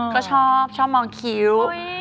ก็ชอบชอบมองคิ้ว